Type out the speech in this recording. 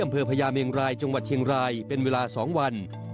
อย่างที่อำเภอพญาเมียงรายจังหวัดเชียงรายเป็นเวลา๒วัน